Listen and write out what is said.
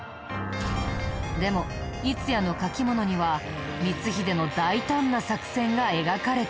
でも『乙夜之書物』には光秀の大胆な作戦が描かれていたんだ。